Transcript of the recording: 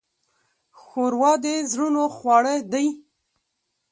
ښوروا د زړونو خواړه دي.